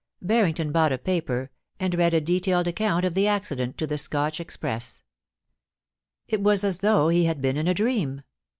Barrington bought a paper, and read a detailed account of the accident to the Scotch express. It was as though he had been in a dream.